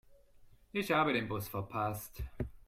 Ich habe den Bus verpasst.